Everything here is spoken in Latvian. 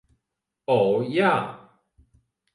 O, jā.